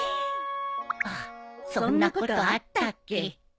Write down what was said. あっそんなことあったっけ。